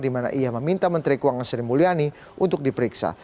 di mana ia meminta menteri keuangan sri mulyani untuk diperiksa